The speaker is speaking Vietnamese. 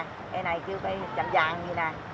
cây này kêu cây trầm vàng gì nè